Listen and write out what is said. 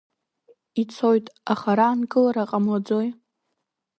Ицоит, аха раанкылара ҟамлаӡои?